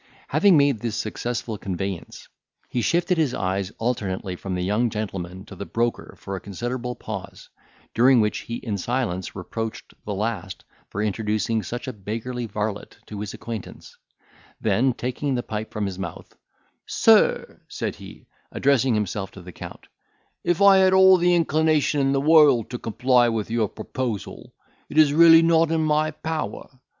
Having made this successful conveyance, he shifted his eyes alternately from the young gentleman to the broker for a considerable pause, during which he in silence reproached the last for introducing such a beggarly varlet to his acquaintance; then taking the pipe from his mouth, "Sir," said he, addressing himself to the Count, "if I had all the inclination in the world to comply with your proposal, it is really not in my power.